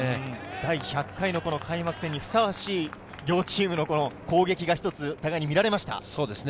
第１００回の開幕戦にふさわしい両チームの攻撃が見られました。